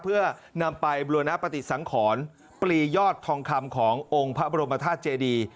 เพื่อนำไปบูรณปฏิสังขรปลียอดทองคำขององค์พระบรมธาตุเจดี